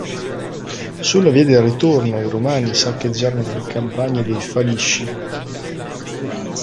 Sulla via del ritorno, i romani saccheggiarono le campagne dei Falisci.